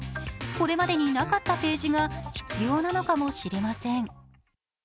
これまでになかったページが必要なのかもしれません。